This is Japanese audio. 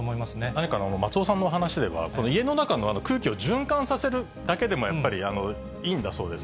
なにか、松尾さんのお話では家の中の空気を循環させるだけでも、やっぱりいいんだそうです。